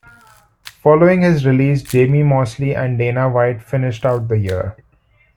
Following his release, Jamie Mosley and Dana White finished out the year.